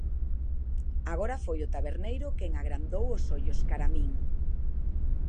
Agora foi o taberneiro quen agrandou os ollos cara a min.